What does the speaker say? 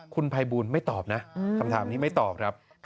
คุณภัยบูลไม่ตอบนะคำถามนี้ไม่ตอบครับ